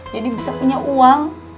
jadi bisa punya uang